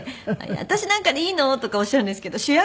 「私なんかでいいの？」とかおっしゃるんですけど主役だから撮りたいのに